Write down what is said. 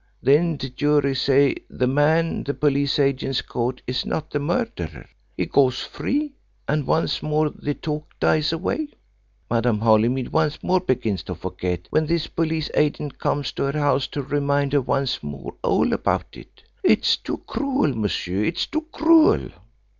Then the jury say the man the police agents caught is not the murderer. He goes free, and once more the talk dies away. Madame Holymead once more begins to forget, when this police agent comes to her house to remind her once more all about it. It is too cruel, monsieur, it is too cruel!"